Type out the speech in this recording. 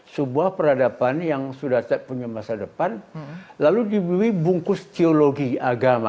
sebuah peradaban yang sudah punya masa depan lalu diberi bungkus teologi agama